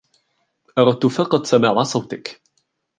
أردت فقط سماع صوتك.